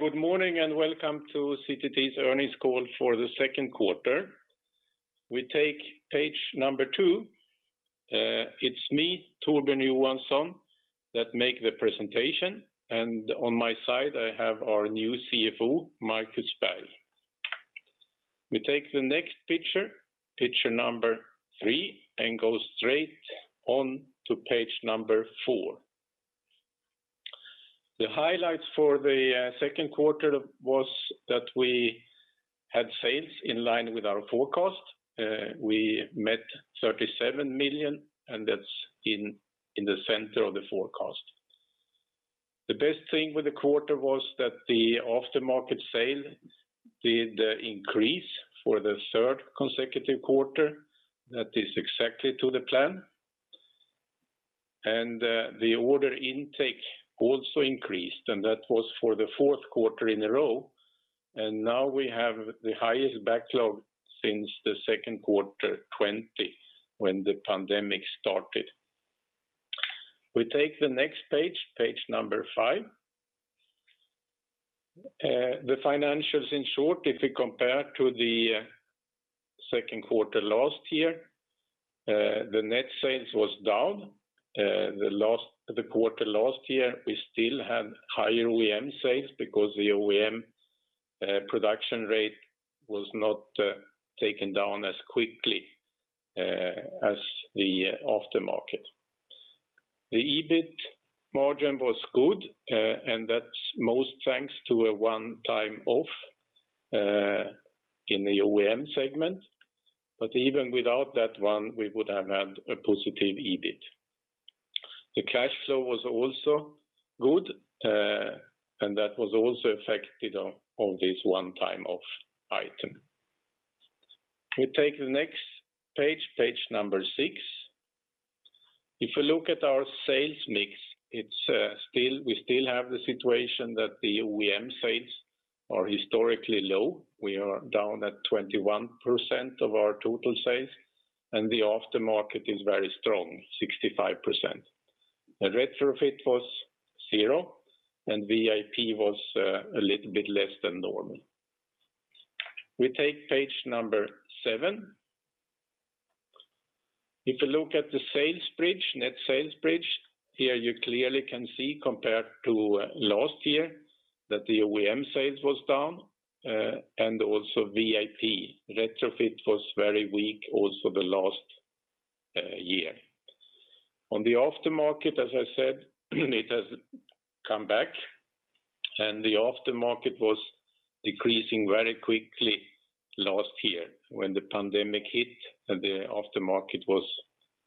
Good morning, welcome to CTT's earnings call for the second quarter. We take page number two. It's me, Torbjörn Johansson, that make the presentation, on my side, I have our new CFO, Markus Berg. We take the next picture number three, go straight on to page number four. The highlights for the second quarter was that we had sales in line with our forecast. We met 37 million, that's in the center of the forecast. The best thing with the quarter was that the aftermarket sale did increase for the third consecutive quarter. That is exactly to the plan. The order intake also increased, that was for the fourth quarter in a row. Now we have the highest backlog since the second quarter 2020 when the pandemic started. We take the next page number five. The financials in short, if we compare to the second quarter last year, the net sales was down. The quarter last year, we still had higher OEM sales because the OEM production rate was not taken down as quickly as the aftermarket. The EBIT margin was good, that's most thanks to a one-off in the OEM segment. Even without that one, we would have had a positive EBIT. The cash flow was also good, that was also affected on this one-off item. We take the next page number six. If you look at our sales mix, we still have the situation that the OEM sales are historically low. We are down at 21% of our total sales, the aftermarket is very strong, 65%. The retrofit was 0, VIP was a little bit less than normal. We take page number seven. If you look at the sales bridge, net sales bridge, here you clearly can see, compared to last year, that the OEM sales was down and also VIP. Retrofit was very weak also the last year. On the aftermarket, as I said, it has come back, and the aftermarket was decreasing very quickly last year when the pandemic hit, and the aftermarket was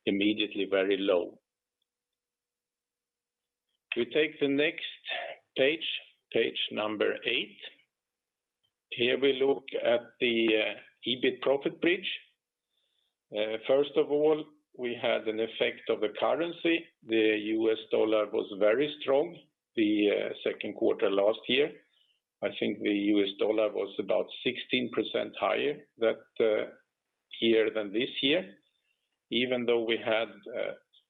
immediately very low. We take the next page number eight. Here we look at the EBIT profit bridge. First of all, we had an effect of the currency. The U.S. dollar was very strong the second quarter last year. I think the U.S. Dollar was about 16% higher that year than this year. Even though we had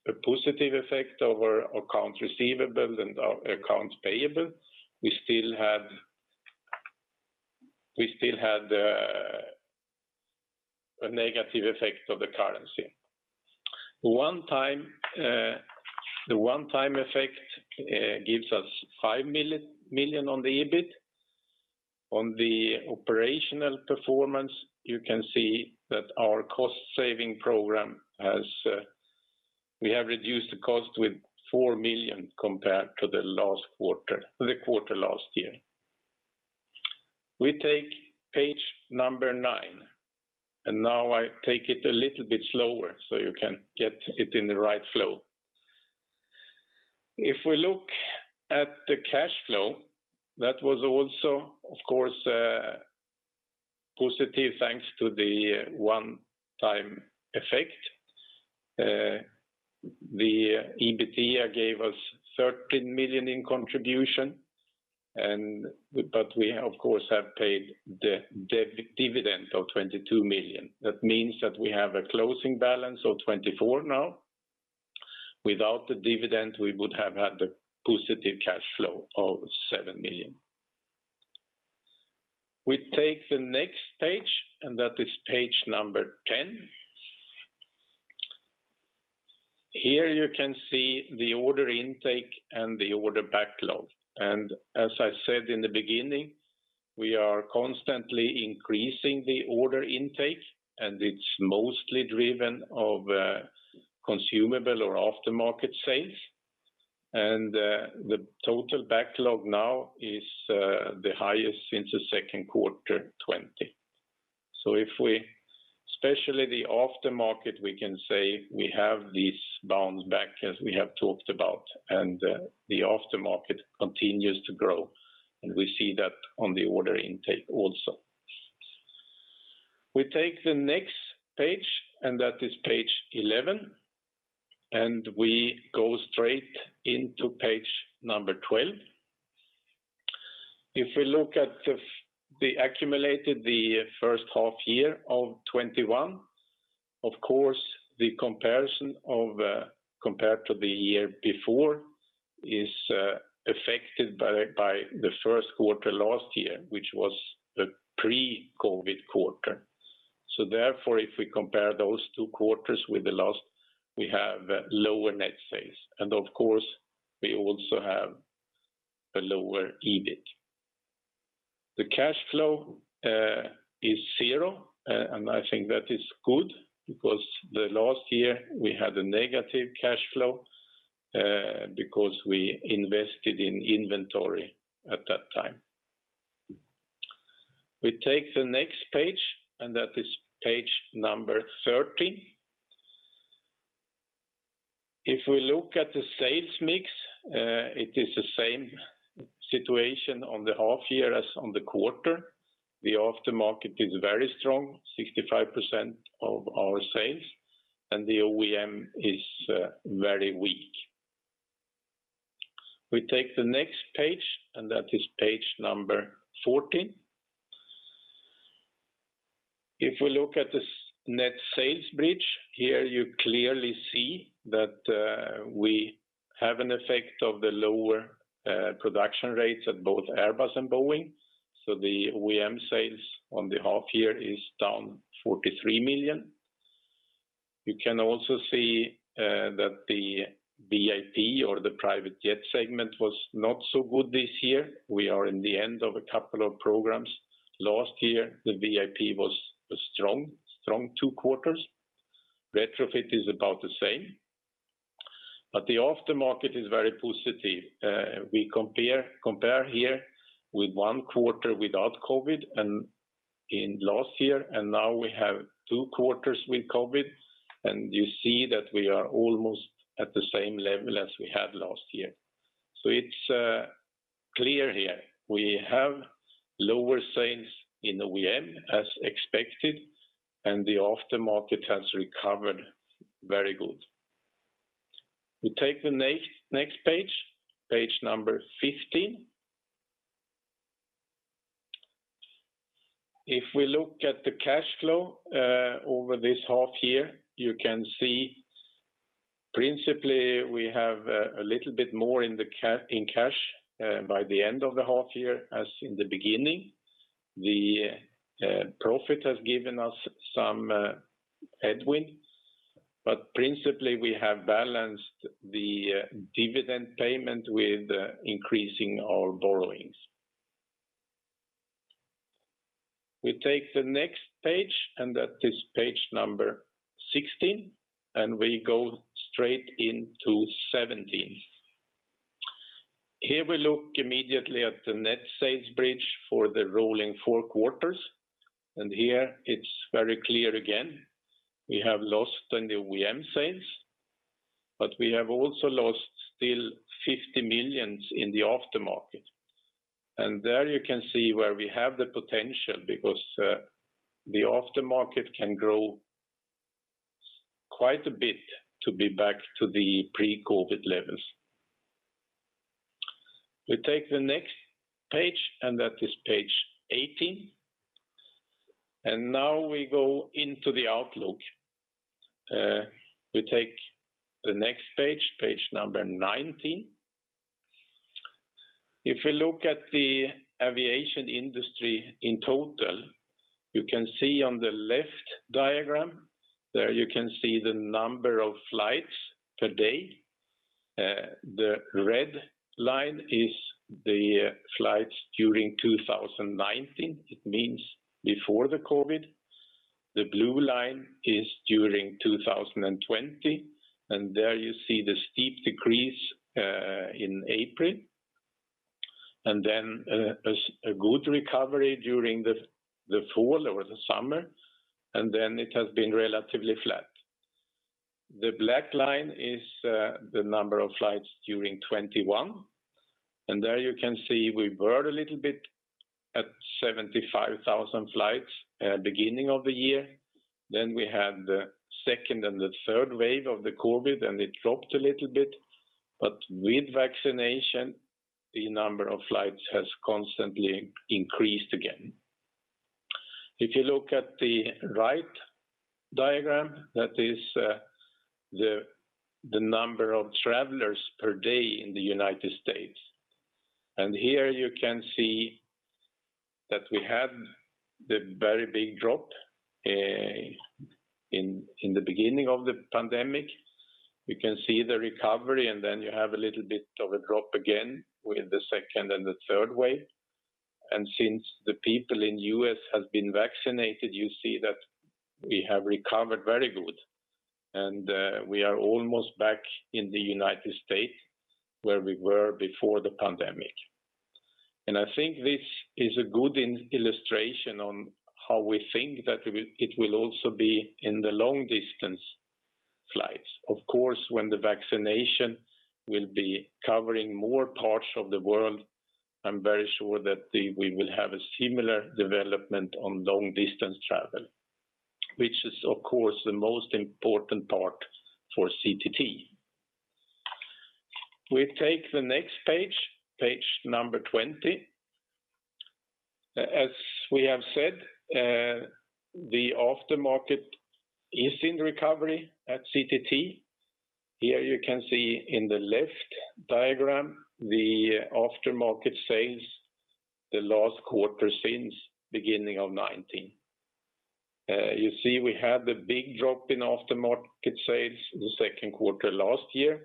a positive effect over accounts receivable and our accounts payable, we still had a negative effect of the currency. The one-time effect gives us 5 million on the EBIT. On the operational performance, you can see that our cost-saving program, we have reduced the cost with 4 million compared to the quarter last year. We take page nine. Now I take it a little bit slower so you can get it in the right flow. If we look at the cash flow, that was also, of course, positive thanks to the one-time effect. The EBITDA gave us 13 million in contribution, we of course have paid the dividend of 22 million. That means that we have a closing balance of 24 million now. Without the dividend, we would have had the positive cash flow of 7 million. We take the next page, that is page 10. Here you can see the order intake and the order backlog. As I said in the beginning, we are constantly increasing the order intake, and it's mostly driven of consumable or aftermarket sales. The total backlog now is the highest since Q2 2020. Especially the aftermarket, we can say we have this bounce back as we have talked about, and the aftermarket continues to grow. We see that on the order intake also. We take the next page, and that is page 11. We go straight into page number 12. If we look at the accumulated, the first half year of 2021, of course, the comparison compared to the year before is affected by the first quarter last year, which was the pre-COVID quarter. Therefore, if we compare those two quarters with the last, we have lower net sales. Of course, we also have a lower EBIT. The cash flow is 0. I think that is good because the last year we had a negative cash flow, because we invested in inventory at that time. We take the next page. That is page number 13. If we look at the sales mix, it is the same situation on the half year as on the quarter. The aftermarket is very strong, 65% of our sales. The OEM is very weak. We take the next page. That is page number 14. If we look at this net sales bridge, here you clearly see that we have an effect of the lower production rates at both Airbus and Boeing. The OEM sales on the half year is down 43 million. You can also see that the VIP or the private jet segment was not so good this year. We are in the end of a couple of programs. Last year, the VIP was a strong two quarters. Retrofit is about the same. The aftermarket is very positive. We compare here with one quarter without COVID and in last year, and now we have two quarters with COVID, and you see that we are almost at the same level as we had last year. It's clear here, we have lower sales in OEM, as expected, and the aftermarket has recovered very good. We take the next page number 15. If we look at the cash flow, over this half year, you can see principally, we have a little bit more in cash by the end of the half year as in the beginning. The profit has given us some headwinds, but principally, we have balanced the dividend payment with increasing our borrowings. We take the next page, that is page number 16. We go straight into 17. Here we look immediately at the net sales bridge for the rolling four quarters, here it's very clear again, we have lost on the OEM sales, we have also lost still 50 million in the aftermarket. There you can see where we have the potential because the aftermarket can grow quite a bit to be back to the pre-COVID levels. We take the next page, that is page 18. Now we go into the outlook. We take the next page number 19. If you look at the aviation industry in total, you can see on the left diagram, there you can see the number of flights per day. The red line is the flights during 2019. It means before the COVID. The blue line is during 2020, there you see the steep decrease, in April. A good recovery during the fall or the summer. It has been relatively flat. The black line is the number of flights during 2021. There you can see we were a little bit at 75,000 flights at beginning of the year. We had the second and the third wave of the COVID, and it dropped a little bit. With vaccination, the number of flights has constantly increased again. If you look at the right diagram, that is the number of travelers per day in the U.S. Here you can see that we had the very big drop in the beginning of the pandemic. You can see the recovery, and then you have a little bit of a drop again with the second and the third wave. Since the people in the U.S. have been vaccinated, you see that we have recovered very good. We are almost back in the United States where we were before the pandemic. I think this is a good illustration on how we think that it will also be in the long-distance flights. Of course, when the vaccination will be covering more parts of the world, I'm very sure that we will have a similar development on long-distance travel, which is, of course, the most important part for CTT. We take the next page 20. As we have said, the aftermarket is in recovery at CTT. Here you can see in the left diagram, the aftermarket sales, the last quarter since beginning of 2019. You see we had the big drop in aftermarket sales the second quarter last year,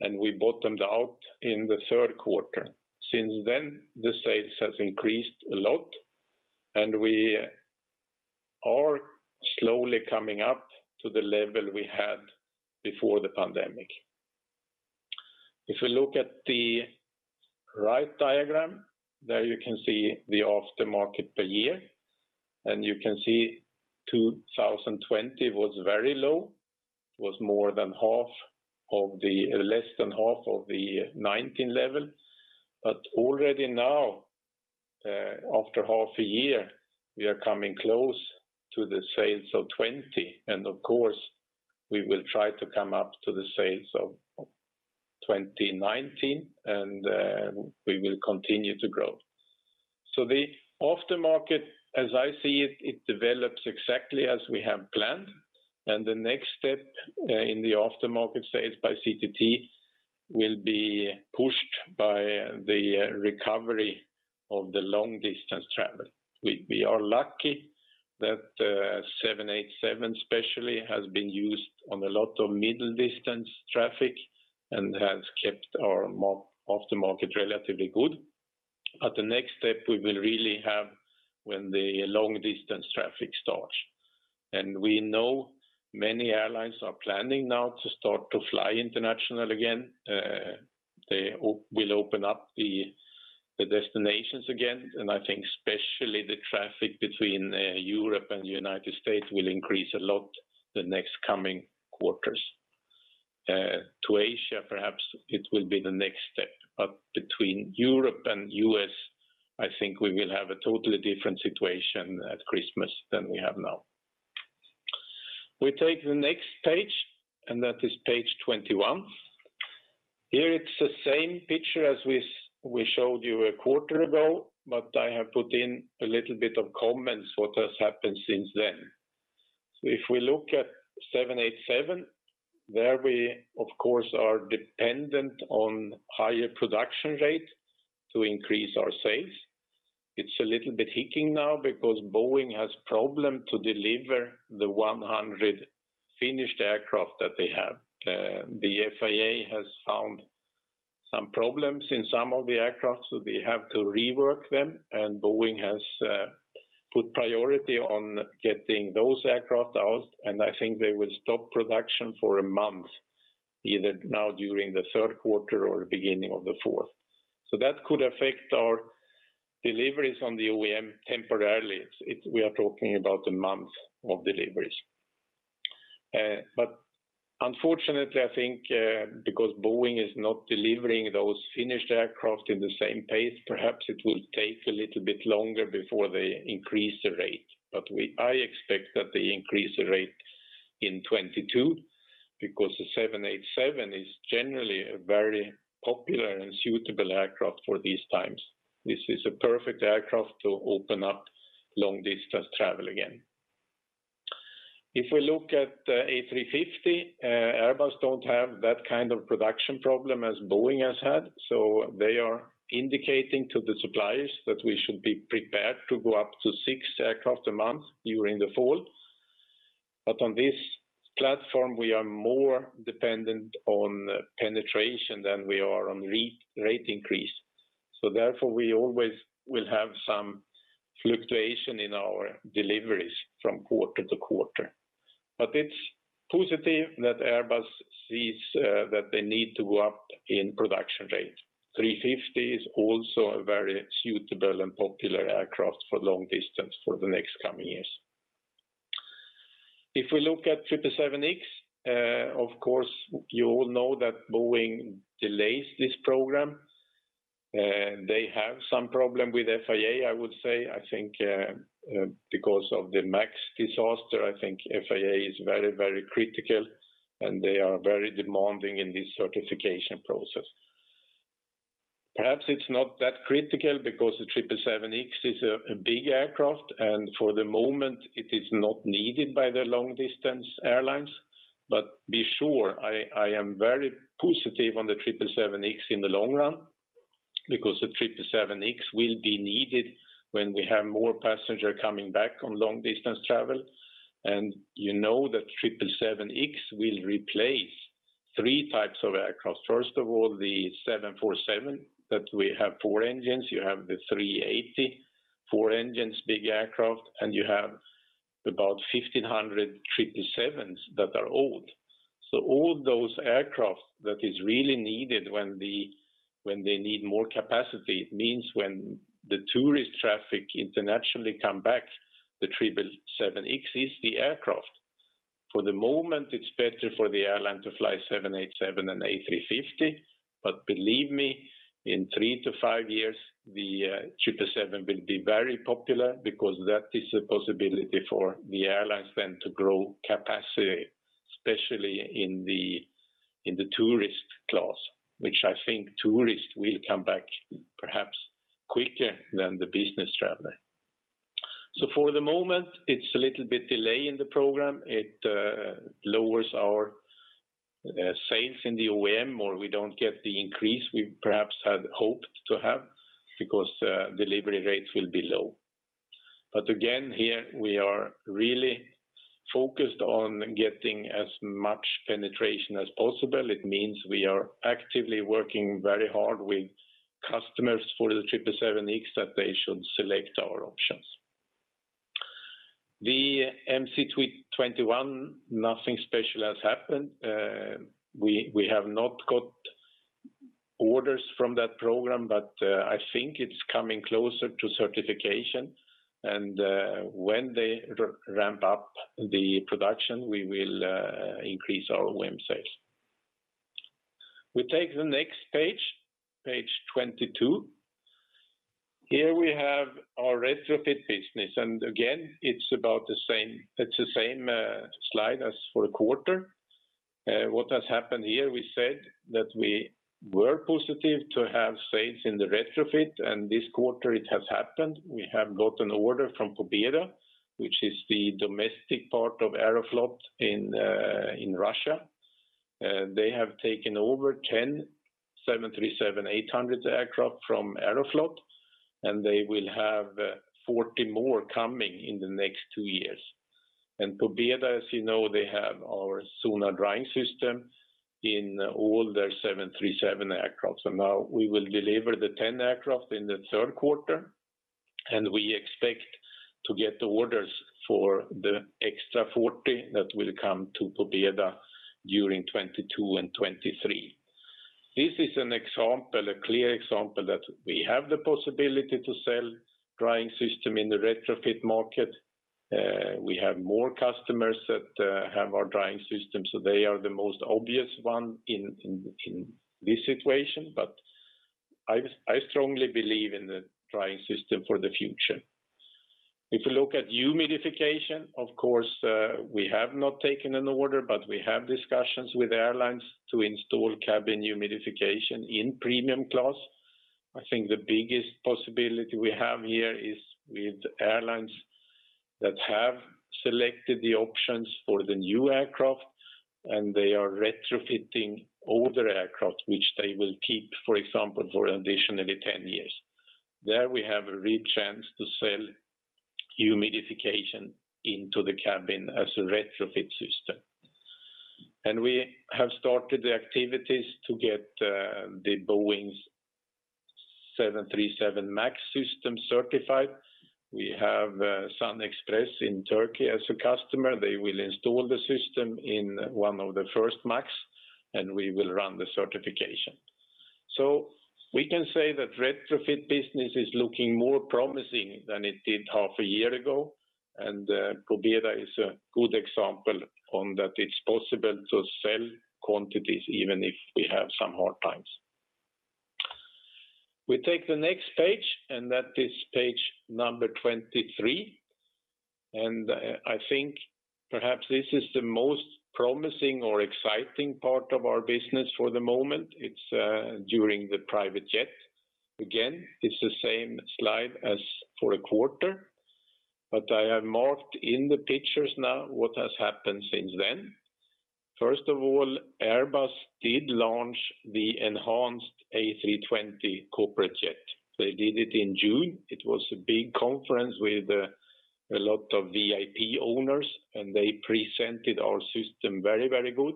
and we bottomed out in the third quarter. Since then, the sales has increased a lot, and we are slowly coming up to the level we had before the pandemic. If we look at the right diagram, there you can see the aftermarket per year, and you can see 2020 was very low. It was less than half of the 2019 level. Already now, after half a year, we are coming close to the sales of 2020 and of course, we will try to come up to the sales of 2019 and we will continue to grow. The aftermarket, as I see it develops exactly as we have planned, and the next step in the aftermarket sales by CTT will be pushed by the recovery of the long-distance travel. We are lucky that 787 especially has been used on a lot of middle-distance traffic and has kept our aftermarket relatively good. The next step we will really have when the long-distance traffic starts. We know many airlines are planning now to start to fly international again. They will open up the destinations again. I think especially the traffic between Europe and the United States will increase a lot the next coming quarters. To Asia, perhaps it will be the next step. Between Europe and U.S., I think we will have a totally different situation at Christmas than we have now. We take the next page. That is page 21. Here it's the same picture as we showed you a quarter ago. I have put in a little bit of comments what has happened since then. If we look at 787, there we, of course, are dependent on higher production rate to increase our sales. It's a little bit hiccupping now because Boeing has problem to deliver the 100 finished aircraft that they have. The FAA has found some problems in some of the aircraft, so they have to rework them. Boeing has put priority on getting those aircraft out. I think they will stop production for a month, either now during the third quarter or beginning of the fourth. That could affect our deliveries on the OEM temporarily. We are talking about a month of deliveries. Unfortunately, I think, because Boeing is not delivering those finished aircraft in the same pace, perhaps it will take a little bit longer before they increase the rate. I expect that they increase the rate in 2022 because the 787 is generally a very popular and suitable aircraft for these times. This is a perfect aircraft to open up long distance travel again. If we look at A350, Airbus don't have that kind of production problem as Boeing has had. They are indicating to the suppliers that we should be prepared to go up to six aircraft a month during the fall. On this platform, we are more dependent on penetration than we are on rate increase. Therefore, we always will have some fluctuation in our deliveries from quarter to quarter. It's positive that Airbus sees that they need to go up in production rate. A350 is also a very suitable and popular aircraft for long distance for the next coming years. If we look at 777X, of course, you all know that Boeing delays this program. They have some problem with FAA, I would say. I think because of the MAX disaster, I think FAA is very critical, and they are very demanding in this certification process. Perhaps it's not that critical because the 777X is a big aircraft, for the moment, it is not needed by the long-distance airlines. Be sure, I am very positive on the 777X in the long run because the 777X will be needed when we have more passengers coming back on long-distance travel. You know that 777X will replace three types of aircraft. First of all, the 747, that we have four engines, you have the A380, four engines, big aircraft, and you have about 1,500 777s that are old. All those aircraft that is really needed when they need more capacity, means when the tourist traffic internationally come back, the 777X is the aircraft. For the moment, it's better for the airline to fly 787 and A350. Believe me, in three to five years, the 777 will be very popular because that is a possibility for the airlines then to grow capacity, especially in the tourist class, which I think tourists will come back perhaps quicker than the business traveler. For the moment, it's a little bit delay in the program. It lowers our sales in the OEM, or we do not get the increase we perhaps had hoped to have because delivery rates will be low. Again, here we are really focused on getting as much penetration as possible. It means we are actively working very hard with customers for the 777X that they should select our options. The MC-21, nothing special has happened. We have not got orders from that program, but I think it's coming closer to certification, and when they ramp up the production, we will increase our OEM sales. We take the next page 22. Here we have our retrofit business, and again, it's the same slide as for the quarter. What has happened here, we said that we were positive to have sales in the retrofit, and this quarter it has happened. We have got an order from Pobeda, which is the domestic part of Aeroflot in Russia. They have taken over 10 737-800 aircraft from Aeroflot, and they will have 40 more coming in the next two years. Pobeda, as you know, they have our Zonal Drying System in all their 737 aircraft. Now we will deliver the 10 aircraft in the third quarter, and we expect to get the orders for the extra 40 that will come to Pobeda during 2022 and 2023. This is a clear example that we have the possibility to sell drying system in the retrofit market. We have more customers that have our drying system, so they are the most obvious one in this situation. I strongly believe in the drying system for the future. If you look at humidification, of course, we have not taken an order, but we have discussions with airlines to install cabin humidification in premium class. I think the biggest possibility we have here is with airlines that have selected the options for the new aircraft and they are retrofitting older aircraft, which they will keep, for example, for an additional 10 years. There we have a real chance to sell humidification into the cabin as a retrofit system. We have started the activities to get the Boeing 737 MAX system certified. We have SunExpress in Turkey as a customer. They will install the system in one of the first MAX. We will run the certification. We can say that retrofit business is looking more promising than it did half a year ago. Pobeda is a good example on that it's possible to sell quantities even if we have some hard times. We take the next page. That is page number 23. I think perhaps this is the most promising or exciting part of our business for the moment. It's during the private jet. Again, it's the same slide as for the quarter. I have marked in the pictures now what has happened since then. Airbus did launch the enhanced A320 Corporate Jet. They did it in June. It was a big conference with a lot of VIP owners, they presented our system very, very good.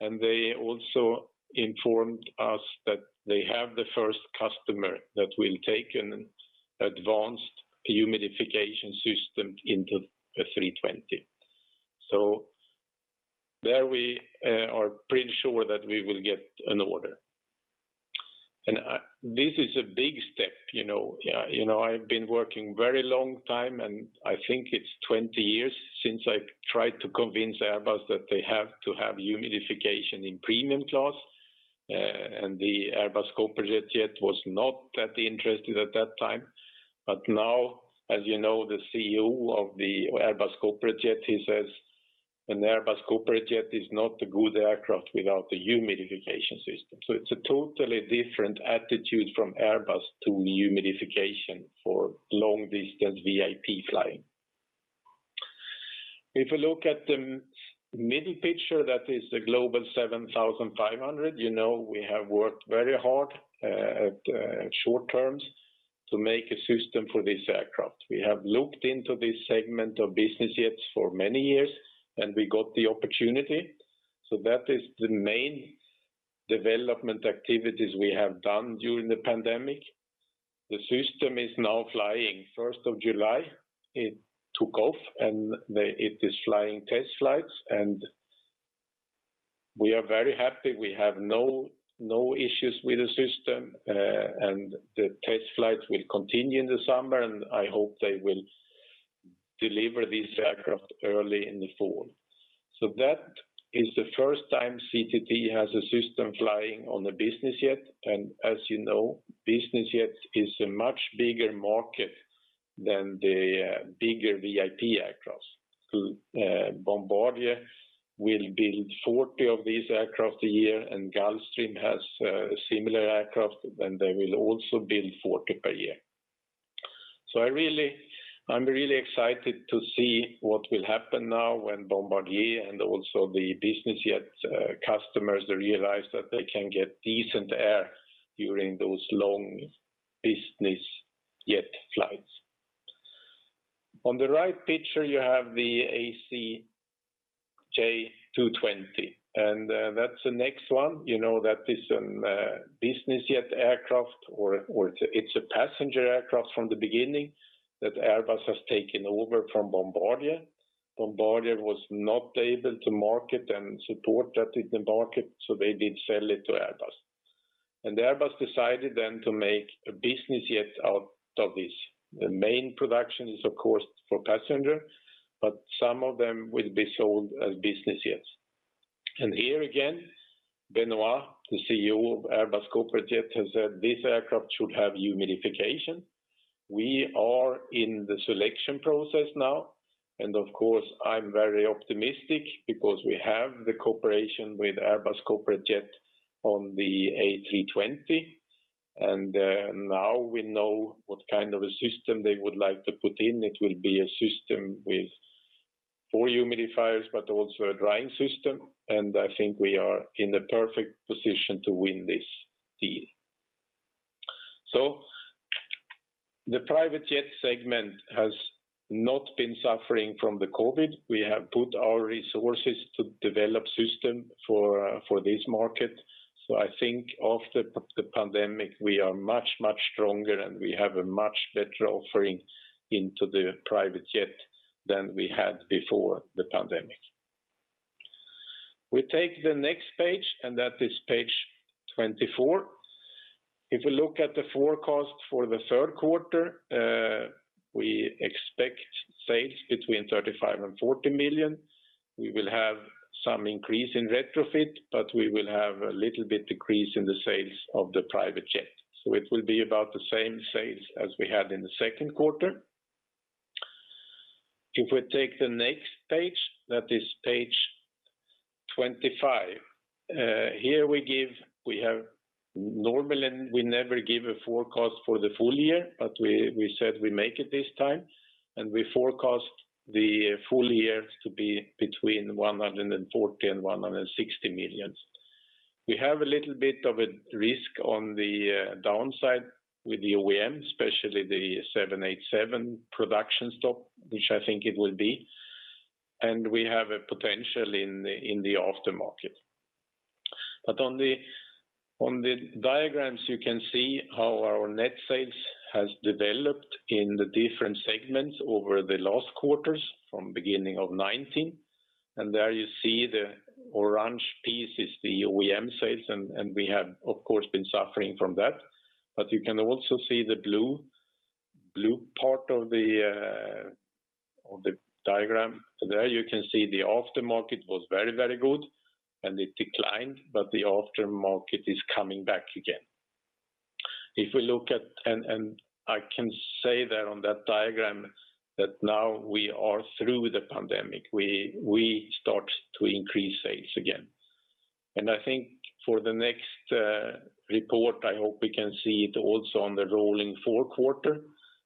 They also informed us that they have the first customer that will take an advanced humidification system into the A320. There we are pretty sure that we will get an order. This is a big step. I've been working very long time, I think it's 20 years since I've tried to convince Airbus that they have to have humidification in premium class. The Airbus Corporate Jet was not that interested at that time. Now, as you know, the CEO of the Airbus Corporate Jet, he says an Airbus Corporate Jet is not a good aircraft without the humidification system. It's a totally different attitude from Airbus to humidification for long-distance VIP flying. If you look at the middle picture, that is the Global 7500. You know we have worked very hard at short terms to make a system for this aircraft. We have looked into this segment of business jets for many years, and we got the opportunity. That is the main development activities we have done during the pandemic. The system is now flying. 1st of July, it took off, and it is flying test flights, and we are very happy. We have no issues with the system. The test flights will continue in the summer, and I hope they will deliver this aircraft early in the fall. That is the first time CTT has a system flying on a business jet, and as you know, business jets is a much bigger market than the bigger VIP aircraft. Bombardier will build 40 of these aircraft a year, and Gulfstream has similar aircraft, and they will also build 40 per year. I'm really excited to see what will happen now when Bombardier and also the business jet customers realize that they can get decent air during those long business jet flights. On the right picture, you have the ACJ220, and that's the next one. That is a business jet aircraft, or it's a passenger aircraft from the beginning that Airbus has taken over from Bombardier. Bombardier was not able to market and support that in the market, so they did sell it to Airbus. Airbus decided then to make a business jet out of this. The main production is, of course, for passenger, but some of them will be sold as business jets. Here again, Benoit, the CEO of Airbus Corporate Jets, has said this aircraft should have humidification. We are in the selection process now. Of course, I'm very optimistic because we have the cooperation with Airbus Corporate Jets on the A320, and now we know what kind of a system they would like to put in. It will be a system with four humidifiers, but also a drying system, and I think we are in the perfect position to win this deal. The private jet segment has not been suffering from the COVID. We have put our resources to develop system for this market. I think after the pandemic, we are much, much stronger, and we have a much better offering into the private jet than we had before the pandemic. We take the next page, and that is page 24. If we look at the forecast for the third quarter, we expect sales between 35 million and 40 million. We will have some increase in retrofit, but we will have a little bit decrease in the sales of the private jet. It will be about the same sales as we had in the second quarter. If we take the next page, that is page 25. Normally, we never give a forecast for the full year, but we said we make it this time, and we forecast the full year to be between 140 million and 160 million. We have a little bit of a risk on the downside with the OEM, especially the 787 production stop, which I think it will be, and we have a potential in the aftermarket. On the diagrams, you can see how our net sales has developed in the different segments over the last quarters, from beginning of 2019. There you see the orange piece is the OEM sales, and we have, of course, been suffering from that. You can also see the blue part of the diagram. There you can see the aftermarket was very, very good, and it declined, but the aftermarket is coming back again. I can say that on that diagram, that now we are through the pandemic. We start to increase sales again. I think for the next report, I hope we can see it also on the rolling four quarters.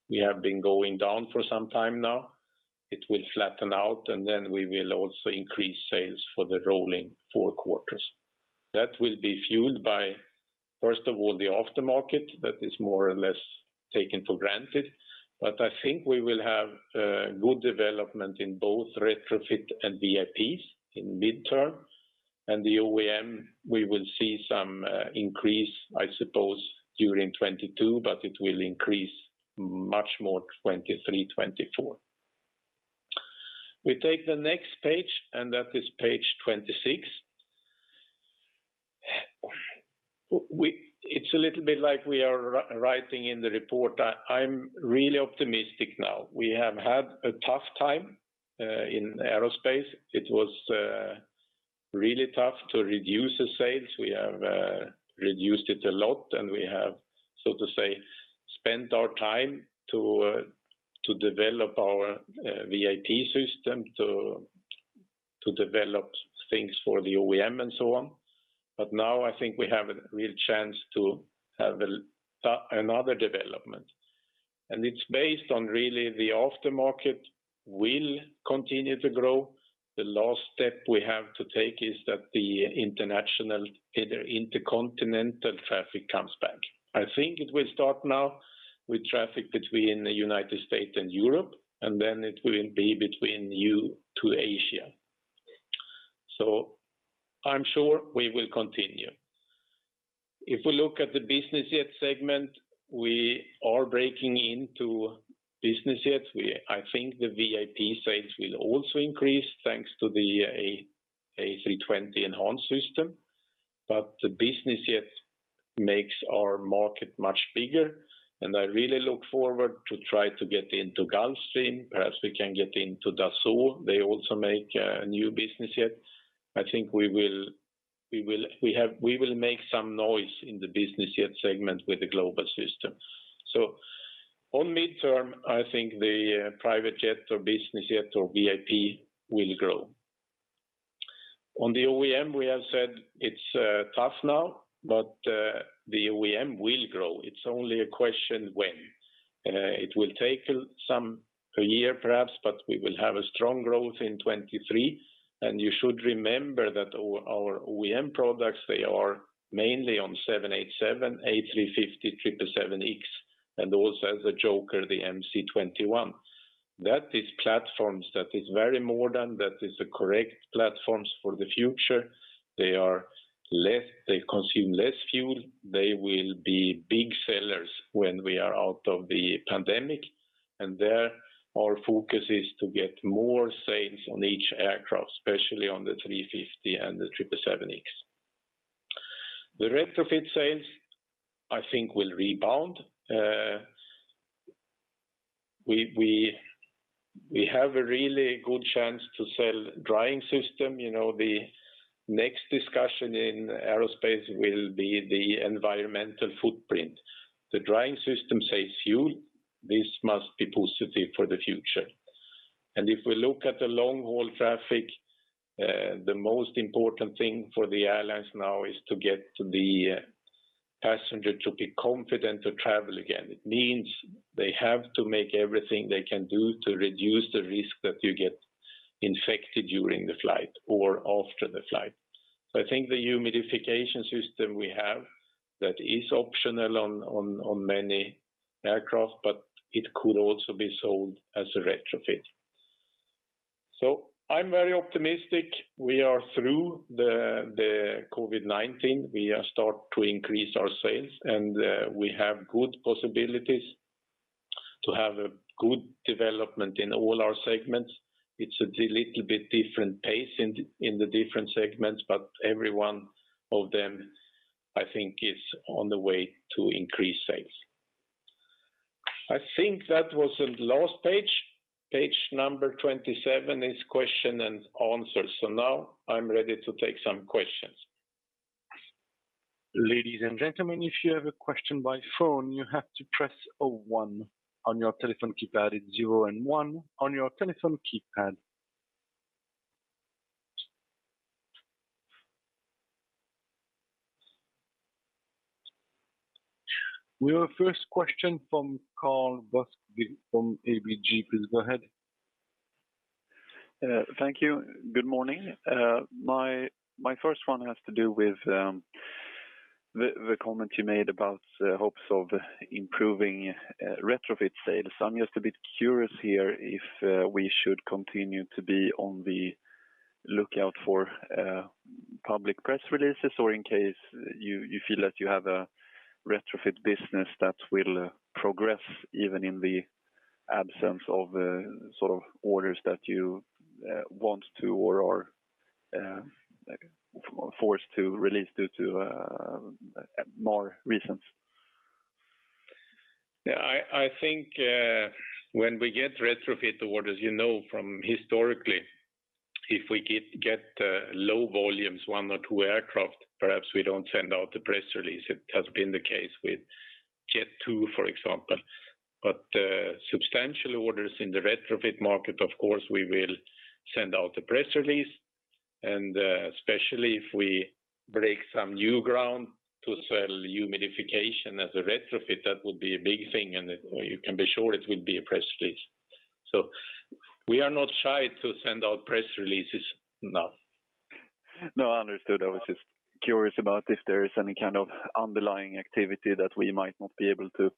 We have been going down for some time now. It will flatten out, and then we will also increase sales for the rolling four quarters. That will be fueled by, first of all, the aftermarket that is more or less taken for granted. I think we will have good development in both retrofit and VIPs in mid-term. The OEM, we will see some increase, I suppose, during 2022, but it will increase much more 2023, 2024. We take the next page, and that is page 26. It's a little bit like we are writing in the report. I'm really optimistic now. We have had a tough time in aerospace. It was really tough to reduce the sales. We have reduced it a lot, and we have, so to say, spent our time to develop our VIP system, to develop things for the OEM and so on. Now I think we have a real chance to have another development, and it's based on really the aftermarket will continue to grow. The last step we have to take is that the international, either intercontinental traffic comes back. I think it will start now with traffic between the United States and Europe, and then it will be between Europe to Asia. I'm sure we will continue. If we look at the business jet segment, we are breaking into business jets. I think the VIP sales will also increase, thanks to the ACJ320neo. The business jet makes our market much bigger, and I really look forward to try to get into Gulfstream. Perhaps we can get into Dassault. They also make a new business jet. I think we will make some noise in the business jet segment with the Global 7500. On midterm, I think the private jet or business jet or VIP will grow. On the OEM, we have said it's tough now. The OEM will grow. It's only a question when. It will take some years perhaps. We will have a strong growth in 2023. You should remember that our OEM products, they are mainly on 787, A350, 777X, and also as a joker, the MC-21. These are platforms that are very modern, that are the correct platforms for the future. They consume less fuel. They will be big sellers when we are out of the pandemic. There our focus is to get more sales on each aircraft, especially on the A350 and the 777X. The retrofit sales, I think, will rebound. We have a really good chance to sell drying system. The next discussion in aerospace will be the environmental footprint. The drying system saves fuel. This must be positive for the future. If we look at the long-haul traffic, the most important thing for the airlines now is to get the passenger to be confident to travel again. It means they have to make everything they can do to reduce the risk that you get infected during the flight or after the flight. I think the humidification system we have, that is optional on many aircraft, but it could also be sold as a retrofit. I'm very optimistic. We are through the COVID-19. We have start to increase our sales, and we have good possibilities to have a good development in all our segments. It's a little bit different pace in the different segments, but every one of them, I think, is on the way to increase sales. I think that was the last page. Page number 27 is question and answer. Now I'm ready to take some questions. Ladies and gentlemen, if you have a question by phone, you have to press 01 on your telephone keypad. It's 0 and one on your telephone keypad. We have our first question from Karl Bokvist from ABG. Please go ahead. Thank you. Good morning. My first one has to do with the comment you made about hopes of improving retrofit sales. I'm just a bit curious here if we should continue to be on the lookout for public press releases or in case you feel that you have a retrofit business that will progress even in the absence of orders that you want to or are forced to release due to more reasons. Yeah, I think when we get retrofit orders, you know from historically, if we get low volumes, one or two aircraft, perhaps we don't send out the press release. It has been the case with Jet2, for example. Substantial orders in the retrofit market, of course, we will send out a press release, and especially if we break some new ground to sell humidification as a retrofit. That would be a big thing. You can be sure it will be a press release. We are not shy to send out press releases, no. No, understood. I was just curious about if there is any kind of underlying activity that we might not be able to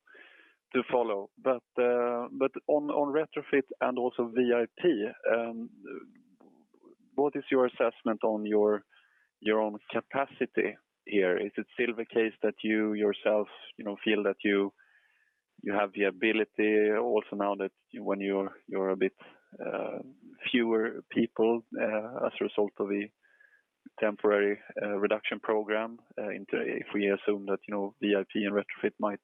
follow. On retrofit and also VIP, what is your assessment on your own capacity here? Is it still the case that you yourself feel that you have the ability also now that when you're a bit fewer people as a result of the temporary reduction program into, if we assume that VIP and retrofit might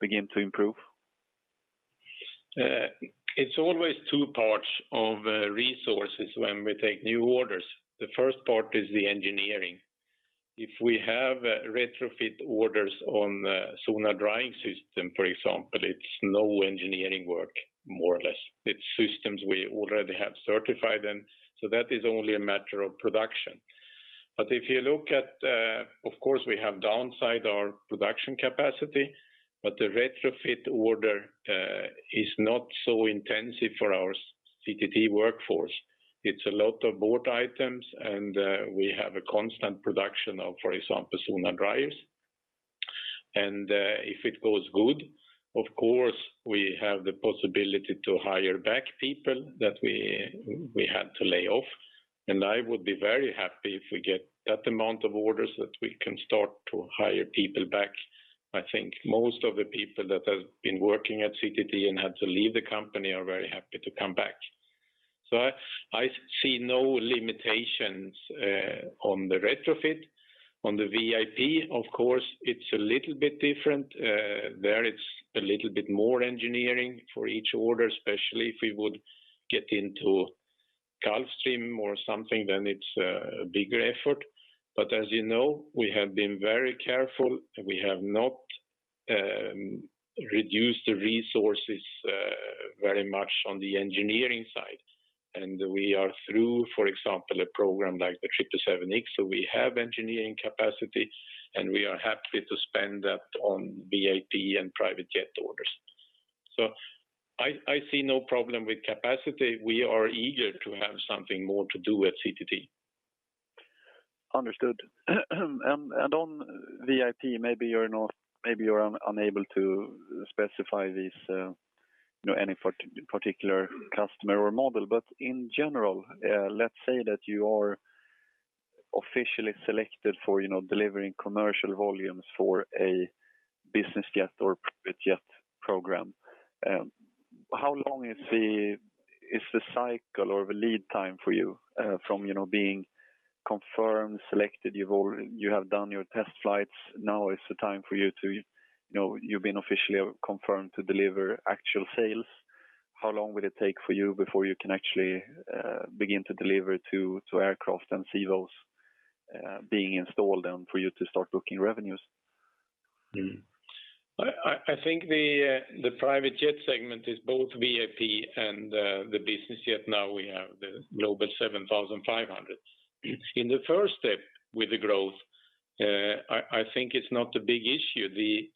begin to improve? It's always two parts of resources when we take new orders. The first part is the engineering. If we have retrofit orders on Zonal Drying System, for example, it's no engineering work, more or less. It's systems we already have certified, and so that is only a matter of production. If you look at, of course, we have downside our production capacity, but the retrofit order is not so intensive for our CTT workforce. It's a lot of board items, and we have a constant production of, for example, Zonal dryers. If it goes good, of course, we have the possibility to hire back people that we had to lay off. I would be very happy if we get that amount of orders that we can start to hire people back. I think most of the people that have been working at CTT and had to leave the company are very happy to come back. So I see no limitations on the retrofit. On the VIP, of course, it's a little bit different. There it's a little bit more engineering for each order, especially if we would get into Gulfstream or something, then it's a bigger effort. As you know, we have been very careful. We have not reduced the resources very much on the engineering side. We are through, for example, a program like the 777X, so we have engineering capacity, and we are happy to spend that on VIP and private jet orders. I see no problem with capacity. We are eager to have something more to do with CTT. Understood. On VIP, maybe you're unable to specify any particular customer or model, but in general, let's say that you are officially selected for delivering commercial volumes for a business jet or private jet program. How long is the cycle or the lead time for you from being confirmed, selected, you have done your test flights, now it's the time for you. You've been officially confirmed to deliver actual sales. How long will it take for you before you can actually begin to deliver two aircraft and see those being installed and for you to start booking revenues? I think the private jet segment is both VIP and the business jet. We have the Global 7500. In the first step with the growth, I think it's not a big issue. The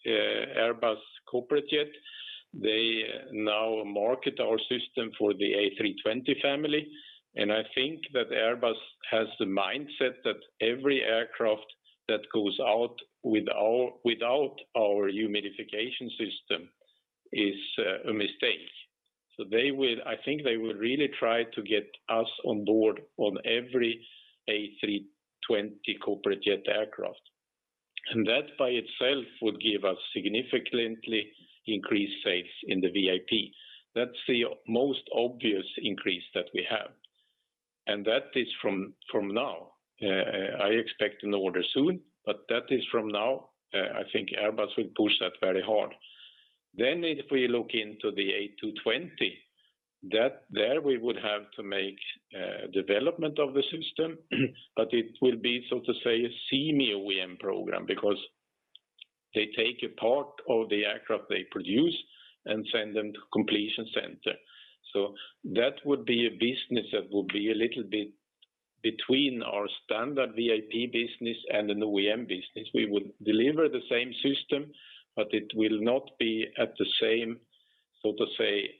Airbus Corporate Jets, they now market our system for the A320 family, and I think that Airbus has the mindset that every aircraft that goes out without our humidification system is a mistake. I think they will really try to get us on board on every A320 corporate jet aircraft. That by itself would give us significantly increased sales in the VIP. That's the most obvious increase that we have. That is from now. I expect an order soon, but that is from now. I think Airbus will push that very hard. If we look into the A220, there we would have to make development of the system, but it will be, so to say, a semi OEM program because they take a part of the aircraft they produce and send them to completion center. That would be a business that would be a little bit between our standard VIP business and an OEM business. We would deliver the same system, but it will not be at the same, so to say,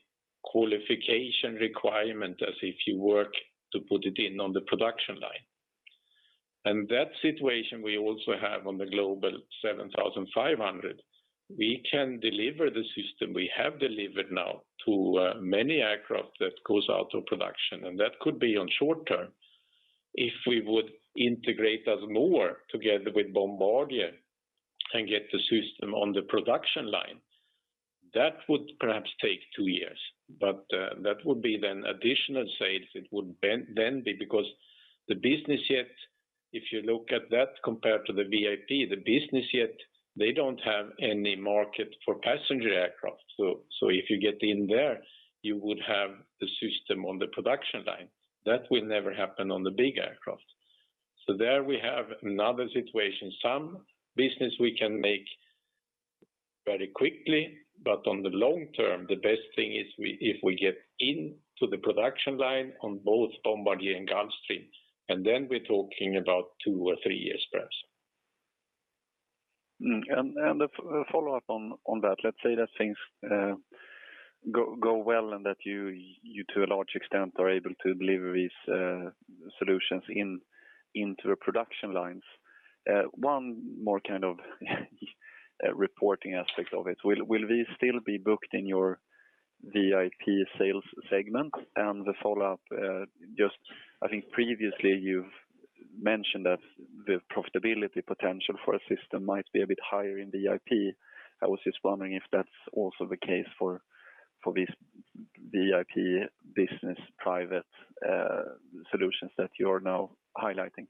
qualification requirement as if you work to put it in on the production line. That situation we also have on the Global 7500. We can deliver the system. We have delivered now to many aircraft that goes out of production, and that could be on short term. If we would integrate us more together with Bombardier and get the system on the production line, that would perhaps take two years. That would be then additional sales. It would then be because the business jet, if you look at that compared to the VIP, the business jet, they don't have any market for passenger aircraft. If you get in there, you would have the system on the production line. That will never happen on the big aircraft. There we have another situation. Some business we can make very quickly, but on the long term, the best thing is if we get into the production line on both Bombardier and Gulfstream, and then we're talking about two or three years perhaps. A follow-up on that. Let's say that things go well and that you, to a large extent, are able to deliver these solutions into the production lines. One more kind of reporting aspect of it. Will we still be booked in your VIP sales segment? The follow-up, just I think previously you've mentioned that the profitability potential for a system might be a bit higher in VIP. I was just wondering if that's also the case for these VIP business private solutions that you're now highlighting.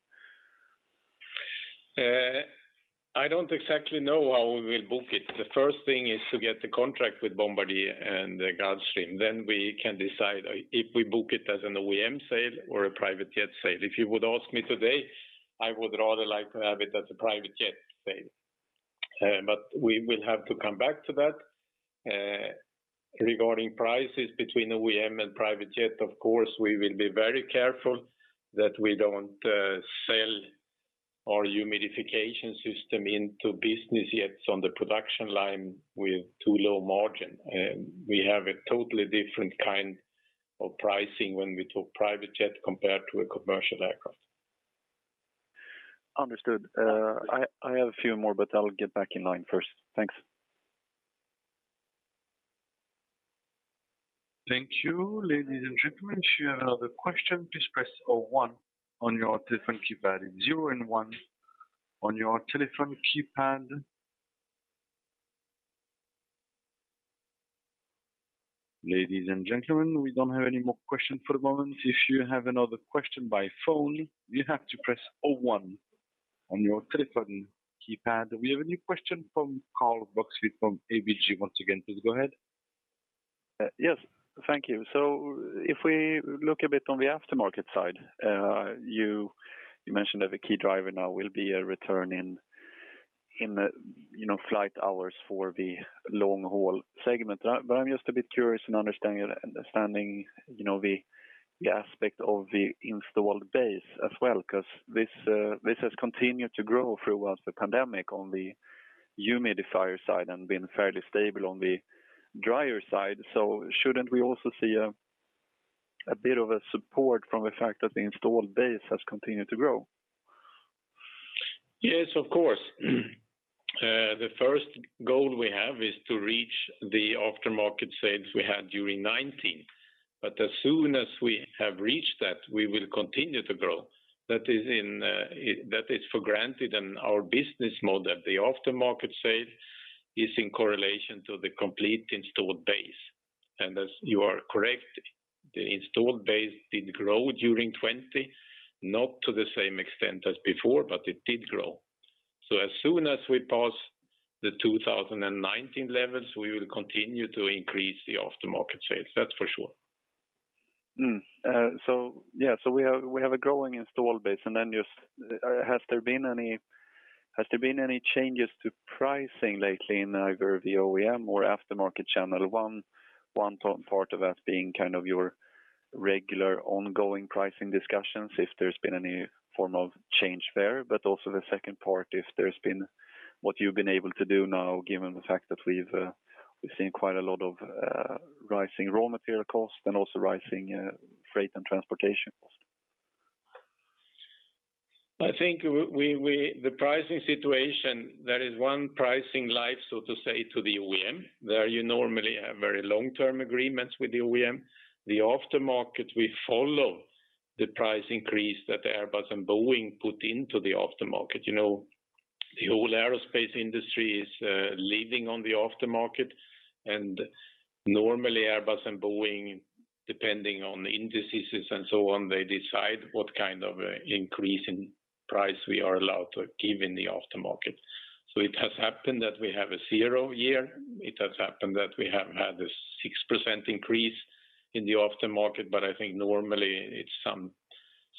I don't exactly know how we will book it. The first thing is to get the contract with Bombardier and Gulfstream. We can decide if we book it as an OEM sale or a private jet sale. If you would ask me today, I would rather like to have it as a private jet sale. We will have to come back to that. Regarding prices between OEM and private jet, of course, we will be very careful that we don't sell our humidification system into business jets on the production line with too low margin. We have a totally different kind of pricing when we talk private jet compared to a commercial aircraft. Understood. I have a few more, but I'll get back in line first. Thanks. Thank you. Ladies and gentlemen, if you have another question, please press 01 on your telephone keypad. 0 and one on your telephone keypad. Ladies and gentlemen, we don't have any more questions for the moment. If you have another question by phone, you have to press 01 on your telephone keypad. We have a new question from Karl Bokvist from ABG once again. Please go ahead. Yes. Thank you. If we look a bit on the aftermarket side, you mentioned that the key driver now will be a return in flight hours for the long-haul segment. I'm just a bit curious in understanding, the aspect of the installed base as well, because this has continued to grow throughout the pandemic on the humidifier side and been fairly stable on the dryer side. Shouldn't we also see a bit of a support from the fact that the installed base has continued to grow? Yes, of course. The first goal we have is to reach the aftermarket sales we had during 2019. As soon as we have reached that, we will continue to grow. That is for granted in our business model. The aftermarket sale is in correlation to the complete installed base. You are correct, the installed base did grow during 2020, not to the same extent as before. It did grow. As soon as we pass the 2019 levels, we will continue to increase the aftermarket sales, that's for sure. We have a growing installed base, and then just, has there been any changes to pricing lately in either the OEM or aftermarket channel? One part of that being kind of your regular ongoing pricing discussions, if there's been any form of change there, but also the second part, what you've been able to do now given the fact that we've seen quite a lot of rising raw material costs and also rising freight and transportation costs. I think the pricing situation, there is one pricing life, so to say, to the OEM, where you normally have very long-term agreements with the OEM. The aftermarket, we follow the price increase that Airbus and Boeing put into the aftermarket. The whole aerospace industry is living on the aftermarket. Normally Airbus and Boeing, depending on the indices and so on, they decide what kind of increase in price we are allowed to give in the aftermarket. It has happened that we have a 0 year. It has happened that we have had a 6% increase in the aftermarket, but I think normally it's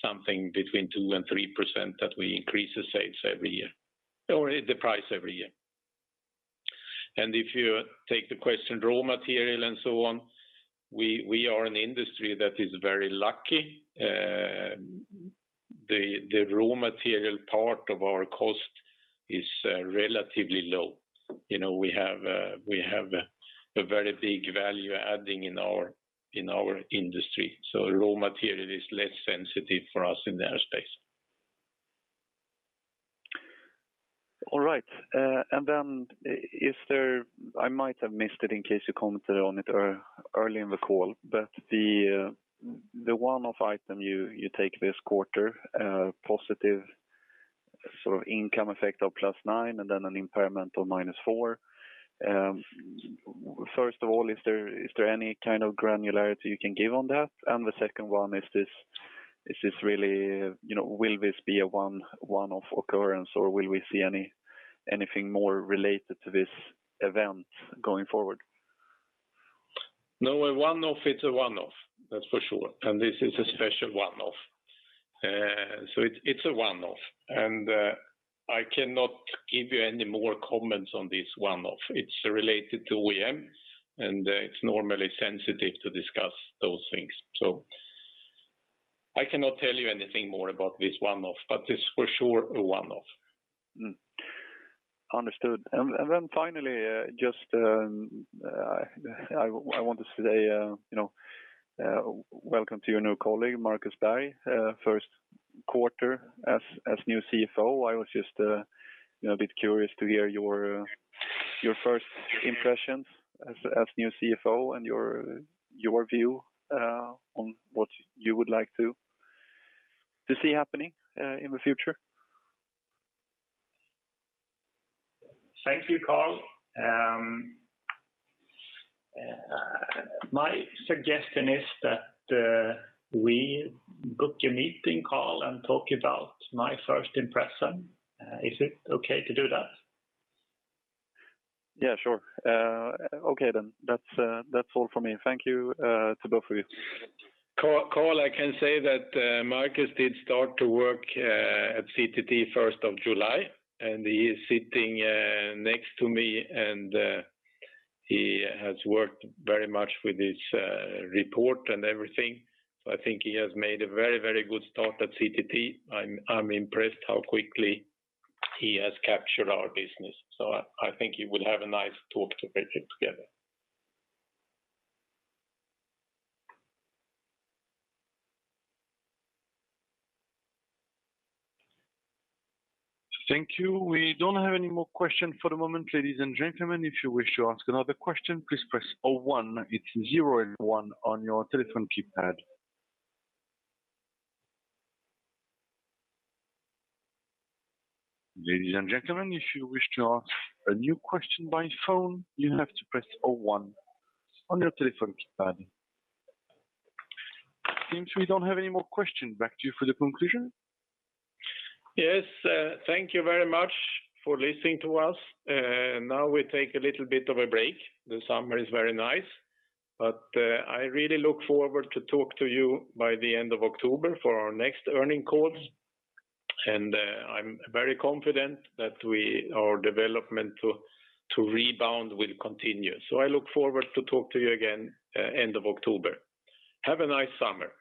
something between 2% and 3% that we increase the price every year. If you take the question, raw material and so on, we are an industry that is very lucky. The raw material part of our cost is relatively low. We have a very big value adding in our industry. Raw material is less sensitive for us in the aerospace. All right. I might have missed it in case you commented on it early in the call, but the one-off item you take this quarter, a positive sort of income effect of +9 million and then an impairment of -4 million. First of all, is there any kind of granularity you can give on that? The second one, will this be a one-off occurrence, or will we see anything more related to this event going forward? No, a one-off is a one-off, that's for sure. This is a special one-off. It's a one-off, and I cannot give you any more comments on this one-off. It's related to OEM, and it's normally sensitive to discuss those things. I cannot tell you anything more about this one-off, but it's for sure a one-off. Understood. Finally, just I want to say welcome to your new colleague, Markus Berg. First quarter as new CFO. I was just a bit curious to hear your first impressions as new CFO and your view on what you would like to see happening in the future. Thank you, Karl. My suggestion is that we book a meeting call and talk about my first impression. Is it okay to do that? Yeah, sure. Okay then. That's all from me. Thank you to both of you. Karl, I can say that Markus did start to work at CTT 1st of July. He is sitting next to me. He has worked very much with his report and everything. I think he has made a very good start at CTT. I am impressed how quickly he has captured our business. I think you will have a nice talk together. Thank you. We don't have any more questions for the moment. Ladies and gentlemen, if you wish to ask another question, please press 01. It's zero then one on your telephone keypad. Ladies and gentlemen, if you wish to ask a new question by phone, you have to press 01 on your telephone keypad. Seems we don't have any more questions. Back to you for the conclusion. Yes. Thank you very much for listening to us. We take a little bit of a break. The summer is very nice. I really look forward to talk to you by the end of October for our next earning calls. I'm very confident that our development to rebound will continue. I look forward to talk to you again end of October. Have a nice summer.